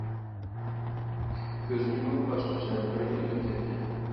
كۆزنى يۇمۇپ ئاچقۇچە بىر يىل ئۆتۈپ كەتتى.